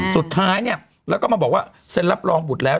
สุดท้ายเนี่ยแล้วก็มาบอกว่าเซ็นรับรองบุตรแล้ว